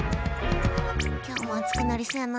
今日も暑くなりそうやな。